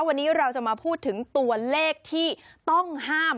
วันนี้เราจะมาพูดถึงตัวเลขที่ต้องห้าม